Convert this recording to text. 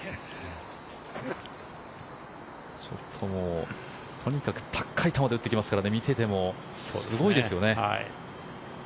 ちょっともうとにかく高い球で打ってきますから見ててもすごいですよね。